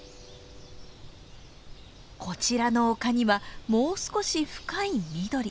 こちらの丘にはもう少し深い緑。